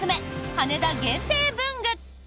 羽田限定文具！